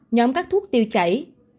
ba nhóm các thuốc tiêu chảy